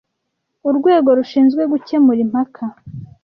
Urwego rushinzwe gukemura impaka